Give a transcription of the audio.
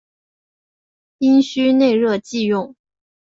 阴虚内热忌用。